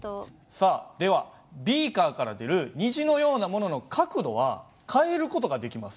さあではビーカーから出る虹のようなものの角度は変える事ができます。